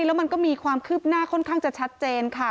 แล้วมันก็มีความคืบหน้าค่อนข้างจะชัดเจนค่ะ